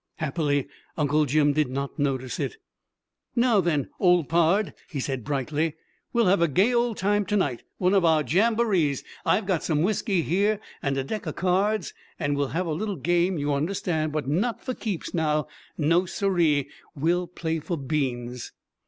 Happily Uncle Jim did not notice it. "Now, then, old pard," he said brightly, "we'll have a gay old time to night one of our jamborees! I've got some whisky here and a deck o' cards, and we'll have a little game, you understand, but not for 'keeps' now! No, siree; we'll play for beans."